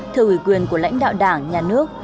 thưa ủy quyền của lãnh đạo đảng nhà nước